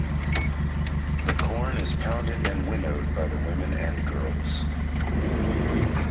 The corn is pounded and winnowed by the women and girls.